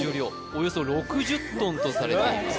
およそ６０トンとされています